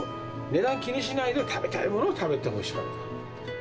値段を気にしないで食べたいものを食べてほしかった。